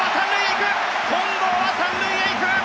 近藤は３塁へいく。